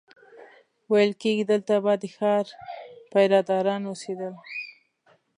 ویل کېږي دلته به د ښار پیره داران اوسېدل.